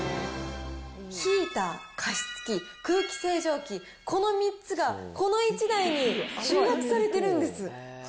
ヒーター、加湿器、空気清浄機、この３つがこの１台に集約されてるんです。